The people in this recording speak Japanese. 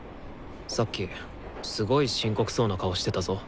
さっきすごい深刻そうな顔してたぞ。